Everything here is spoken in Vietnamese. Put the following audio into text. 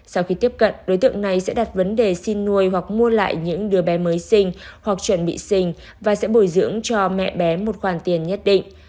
sau khi tiếp cận đối tượng này sẽ đặt vấn đề xin nuôi hoặc mua lại những đứa bé mới sinh hoặc chuẩn bị sinh và sẽ bồi dưỡng cho mẹ bé một khoản tiền nhất định